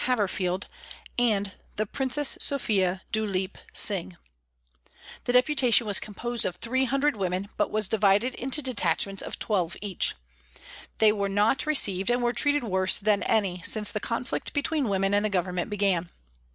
Haverfield, and the Princess Sophia Dhuleep Singh. The Deputa tion was composed of 300 women, but was divided into detachments of twelve each. They were not received and were treated worse than any since the conflict between women and the Government began.